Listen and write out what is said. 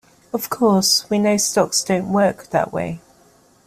"Of course, we know stocks don't work that way".